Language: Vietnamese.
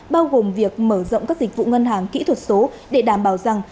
bao gồm việc mở rộng các dịch vụ ngân hàng kỹ thuật số để đảm bảo rằng